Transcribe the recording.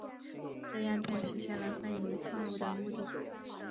这样便实现了分离矿物的目的。